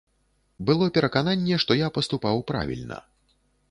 Было перакананне, што я паступаў правільна.